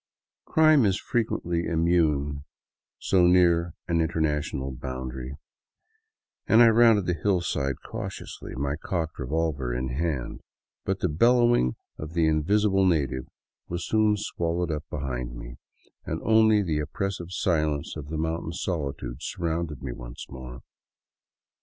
" Crime is frequently immune so near an international boundary, and I rounded the hillside cautiously, my cocked revolver in hand; but the bellowing of the invisible native was soon swallowed up behind me, and only the oppressive silence of the mountain solitude surrounded me once more.